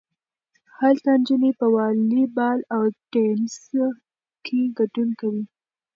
هلته نجونې په والی بال او ټینس کې ګډون کوي.